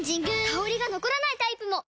香りが残らないタイプも！